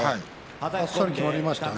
あっさりきまりましたね。